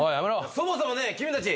そもそもね君達